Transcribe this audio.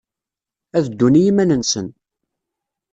Ad ddun i yiman-nsen.